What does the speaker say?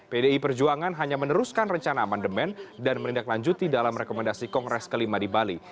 pdi perjuangan hanya meneruskan rencana amandemen dan menindaklanjuti dalam rekomendasi kongres kelima di bali